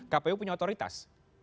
kpu punya otoritas